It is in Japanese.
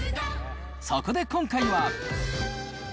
そこで今回は。